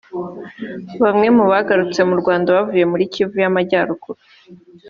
Bamwe mu bagarutse mu Rwanda bavuye muri Kivu y’Amajyaruguru